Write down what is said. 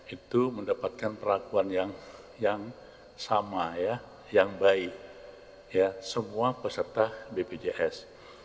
itu mendapatkan perlakuan yang sama ya yang baik semua peserta bpjs